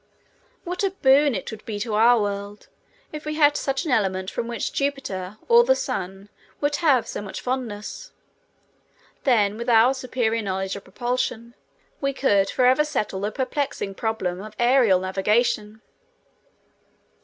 What a boon it would be to our world if we had such an element for which Jupiter or the Sun would have so much fondness! Then with our superior knowledge of propulsion we could forever settle the perplexing problem of aerial navigation.